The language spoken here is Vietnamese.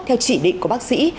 theo chỉ định của bác sĩ